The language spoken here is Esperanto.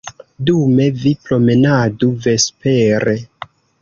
Dume vi promenadu vespere.